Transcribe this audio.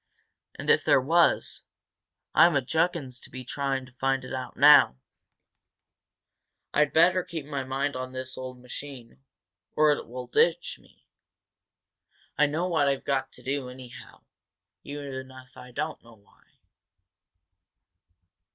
"And, if there was, I'm a juggins to be trying to find it now. I'd better keep my mind on this old machine, or it will ditch me! I know what I've got to do, anyhow, even if I don't know why."